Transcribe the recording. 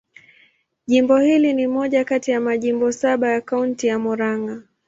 Jimbo hili ni moja kati ya majimbo saba ya Kaunti ya Murang'a.